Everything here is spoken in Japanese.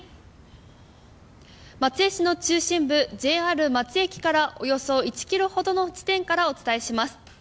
松江市の中心部ＪＲ松江駅からおよそ１キロほどの地点からお伝えします。